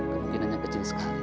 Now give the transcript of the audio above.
kemungkinannya kecil sekali